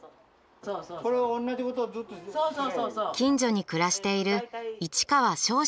近所に暮らしている市川正士さんです。